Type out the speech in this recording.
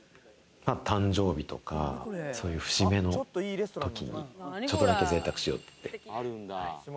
誕生日とか、そういう節目の時にちょっとだけ贅沢しようって。